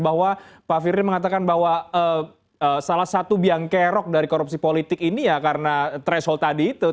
bahwa pak firly mengatakan bahwa salah satu biang kerok dari korupsi politik ini ya karena threshold tadi itu